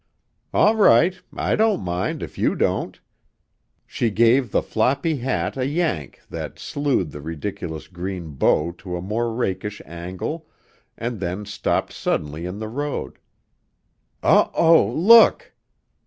"All right; I don't mind, if you don't." She gave the floppy hat a yank that slued the ridiculous green bow to a more rakish angle, and then stopped suddenly in the road. "O oh, look!"